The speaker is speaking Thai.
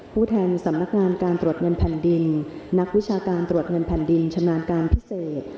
ผู้แทนสำนักงานการตรวจเงินแผ่นดินนักวิชาการตรวจเงินแผ่นดินชำนาญการพิเศษ